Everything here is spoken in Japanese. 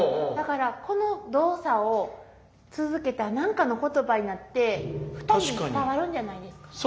だからこの動作を続けたら何かの言葉になって２人に伝わるんじゃないですか？